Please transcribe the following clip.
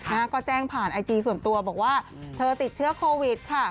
นะฮะก็แจ้งผ่านไอจีส่วนตัวบอกว่าเธอติดเชื้อโควิดค่ะ